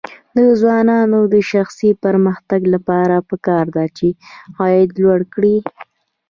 د ځوانانو د شخصي پرمختګ لپاره پکار ده چې عاید لوړ کړي.